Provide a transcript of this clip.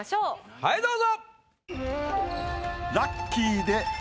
はいどうぞ！